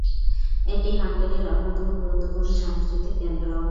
এটি হাঙ্গেরির অন্যতম গুরুত্বপূর্ণ সাংস্কৃতিক কেন্দ্র।